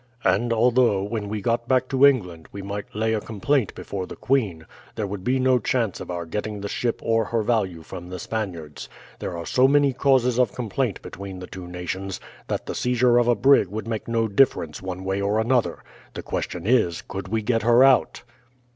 And although, when we got back to England, we might lay a complaint before the queen, there would be no chance of our getting the ship or her value from the Spaniards. There are so many causes of complaint between the two nations, that the seizure of a brig would make no difference one way or another. The question is, could we get her out?"